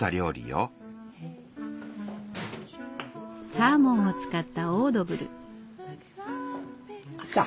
サーモンを使ったオードブル。